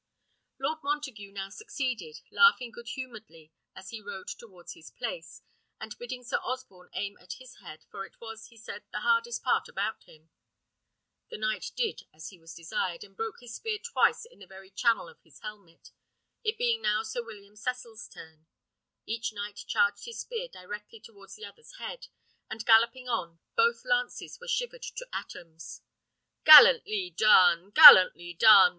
Lord Montague now succeeded, laughing good humouredly as he rode towards his place, and bidding Sir Osborne aim at his head, for it was, he said, the hardest part about him. The knight did as he was desired, and broke his spear twice on the very charnel of his helmet. It being now Sir William Cecil's turn, each knight charged his spear directly towards the other's head, and galloping on, both lances were shivered to atoms. "Gallantly done! gallantly done!"